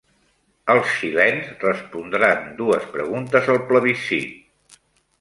Els xilens respondran dues preguntes al plebiscit